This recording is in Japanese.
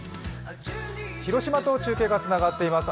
広島と中継がつながっています。